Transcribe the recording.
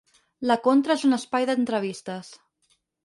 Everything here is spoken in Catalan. La Contra és un espai d'entrevistes.